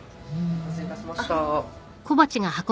お待たせいたしました。